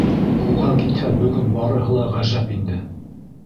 Уға китһә, бөгөн барыһы ла ғәжәп инде!